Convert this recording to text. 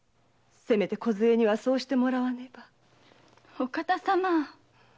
お方様！